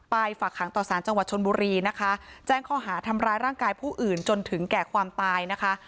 ฝากหางต่อสารจังหวัดชนบุรีนะคะแจ้งข้อหาทำร้ายร่างกายผู้อื่นจนถึงแก่ความตายนะคะ